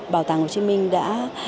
bảo tàng hồ chí minh đã